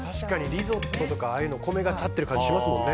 リゾットとかああいうのお米が立ってる感じしますよね。